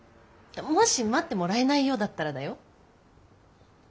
もし待ってもらえないようだったらだよ？